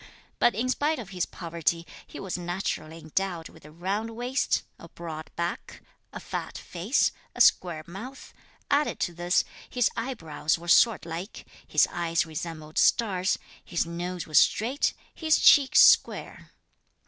But in spite of his poverty, he was naturally endowed with a round waist, a broad back, a fat face, a square mouth; added to this, his eyebrows were swordlike, his eyes resembled stars, his nose was straight, his cheeks square.